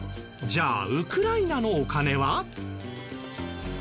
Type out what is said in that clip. じゃあウクライナのお金は？